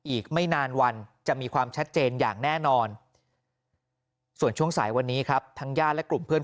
อีกไม่นานวันจะมีความชัดเจนอย่างแน่นอนส่วนช่วงสายวันนี้ครับทั้งญาติและกลุ่มเพื่อน